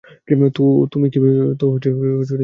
তো তুমি কি ভেবেছ?